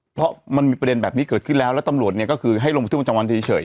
เพราะมันมีประเด็นแบบนี้เกิดขึ้นแล้วแล้วตำรวจเนี่ยก็คือให้ลงบันทึกประจำวันเฉย